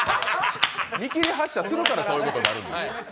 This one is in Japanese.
見切り発車するからそういうことになるんです。